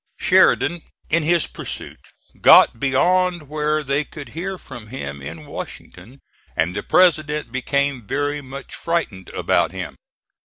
Sheridan, in his pursuit, got beyond where they could hear from him in Washington, and the President became very much frightened about him.